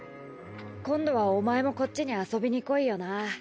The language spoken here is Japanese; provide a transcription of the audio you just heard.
今度はお前もこっちに遊びにこいよな。